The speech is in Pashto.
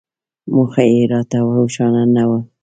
موخه یې راته روښانه نه وه.